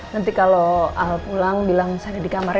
nanti kalau al pulang bilang saya ada di kamar ya